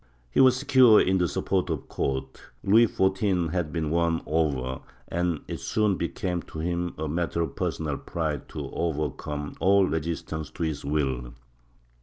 He was secure in the support of the court. Louis XIV had been won over, and it soon became to him a matter of personal pride to overcome all resistance to his will.